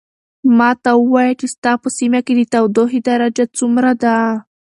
ماته ووایه چې ستا په سیمه کې د تودوخې درجه څومره ده.